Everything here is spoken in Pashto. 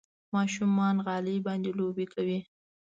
ماشومان غالۍ باندې لوبې کوي.